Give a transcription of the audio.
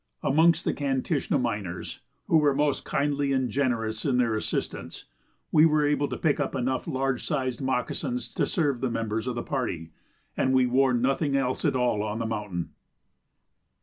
Amongst the Kantishna miners, who were most kindly and generous in their assistance, we were able to pick up enough large sized moccasins to serve the members of the party, and we wore nothing else at all on the mountain.